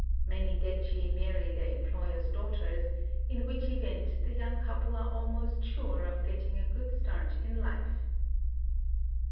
Many detchi marry their employers' daughters, in which event the young couple are almost sure of getting a good start in life.